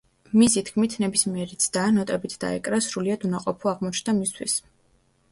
მისი თქმით, ნებისმიერი ცდა, ნოტებით დაეკრა, სრულიად უნაყოფო აღმოჩნდა მისთვის.